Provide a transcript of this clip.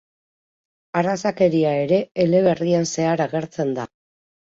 Arrazakeria ere eleberrian zehar agertzen da.